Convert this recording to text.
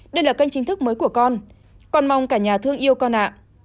đây là kênh chính thức mới của con con mong cả nhà thương yêu con ạ